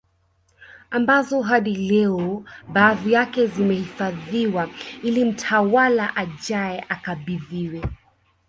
Ambazo hadi leo baadhi yake zimehifadhiwa ili mtawala ajaye akabidhiwe